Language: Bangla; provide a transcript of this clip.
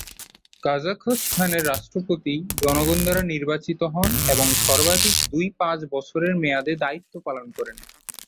কাজাখস্তানের রাষ্ট্রপতি জনগণ দ্বারা নির্বাচিত হন এবং সর্বাধিক দুই পাঁচ বছরের মেয়াদে দায়িত্ব পালন করেন।